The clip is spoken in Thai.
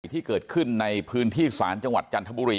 ที่เกิดขึ้นในพื้นที่ศาลจังหวัดจันทบุรี